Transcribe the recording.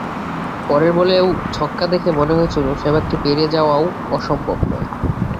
পরের বলেও ছক্কা দেখে মনে হয়েছিল শেবাগকে পেরিয়ে যাওয়াও অসম্ভব নয়।